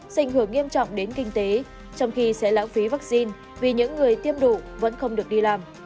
sinh hưởng nghiêm trọng đến kinh tế trong khi sẽ lãng phí vaccine vì những người tiêm đủ vẫn không được đi làm